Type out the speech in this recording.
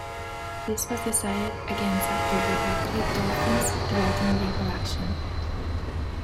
This was decided against after the Redcliffe Dolphins threatened legal action.